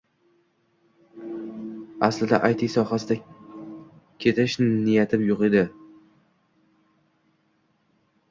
Aslida AyTi sohasida ketish niyatim yoʻq edi.